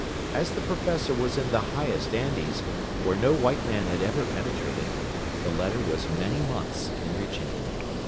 As the Professor was in the highest Andes, where no white man had ever penetrated, the letter was many months in reaching him.